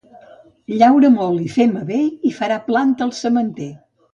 Llaura molt i fema bé i farà planta el sementer.